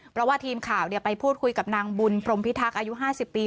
เพราะทีมข่าวไปพูดคุยกับนางบุญพย์พิทักษ์อายุห้าสิบปี